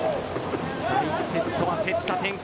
第１セットは競った展開